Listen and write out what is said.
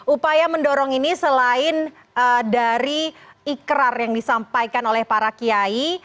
upaya mendorong ini selain dari ikrar yang disampaikan oleh para kiai